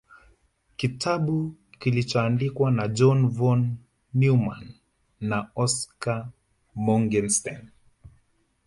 Kitabu kilichoandikwa na John von Neumann na Oskar Morgenstern